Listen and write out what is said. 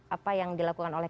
apa yang dilakukan oleh